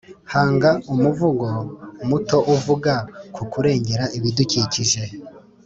Hanga umuvugo muto uvuga ku kurengera ibidukikije